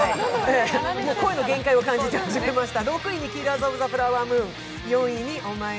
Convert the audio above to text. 声の限界を感じました。